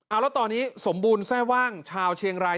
เอาแล้วตอนนี้สมบูรณ์แทร่ว่างชาวเชียงราย